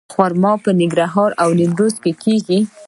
خرما په ننګرهار او نیمروز کې کیږي.